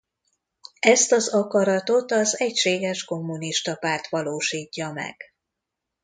Ezt az akaratot az egységes Kommunista Párt valósítja meg.